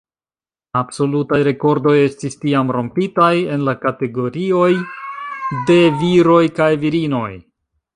Absolutaj rekordoj estis tiam rompitaj en la kategorioj de viroj kaj virinoj.